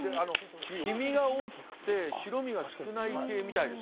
黄身が大きくて白身が少ない系みたいですよ。